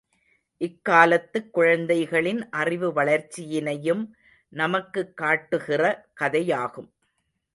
இக்காலத்துக் குழந்தைகளின் அறிவு வளர்ச்சியினையும் நமக்குக் காட்டுகிற கதையாகும்.